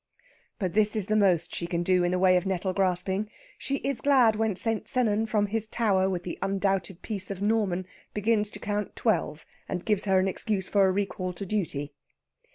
But this is the most she can do in the way of nettle grasping. She is glad when St. Sennan, from his tower with the undoubted piece of Norman, begins to count twelve, and gives her an excuse for a recall to duty.